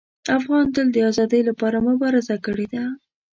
افغان تل د ازادۍ لپاره مبارزه کړې ده.